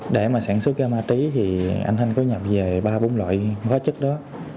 để mà sản xuất ga ma túy thì anh thanh có nhập về ba bốn loại hóa chất đó